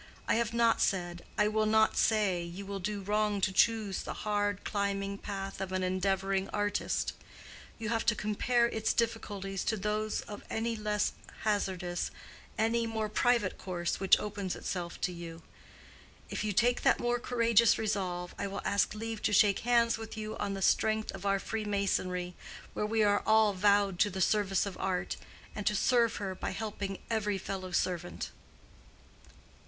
I have not said—I will not say—you will do wrong to choose the hard, climbing path of an endeavoring artist. You have to compare its difficulties with those of any less hazardous—any more private course which opens itself to you. If you take that more courageous resolve I will ask leave to shake hands with you on the strength of our freemasonry, where we are all vowed to the service of art, and to serve her by helping every fellow servant."